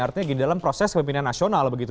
artinya dalam proses pemimpinan nasional begitu